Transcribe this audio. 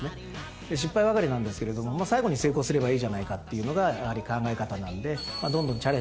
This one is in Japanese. で失敗ばかりなんですけれども最後に成功すればいいじゃないかっていうのがやはり考え方なんでまあどんどんチャレンジしよう。